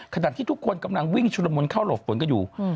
ขณะที่ทุกคนกำลังวิ่งชุลมุนเข้าหลบฝนกันอยู่